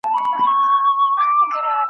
پر شهباز به یې یوه نیمه غزل وي .